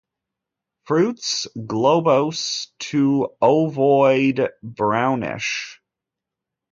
Fruits globose to ovoid, brownish.